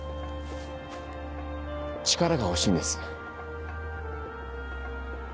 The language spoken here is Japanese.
力が欲しいんです俺も。